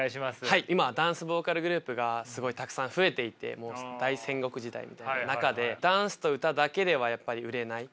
はい今ダンスボーカルグループがすごいたくさん増えていて大戦国時代みたいな中でダンスと歌だけではやっぱり売れない。